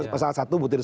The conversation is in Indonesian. pasal satu butir sepuluh